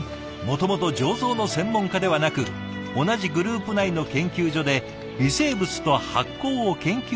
もともと醸造の専門家ではなく同じグループ内の研究所で「微生物と発酵」を研究してきた科学者。